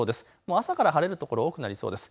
朝から晴れる所が多くなりそうです。